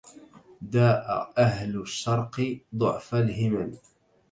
داء أهل الشرق ضعف الهمم